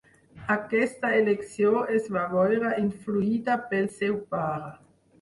Aquesta elecció es va veure influïda pel seu pare.